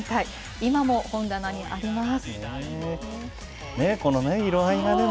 今も本棚にあります。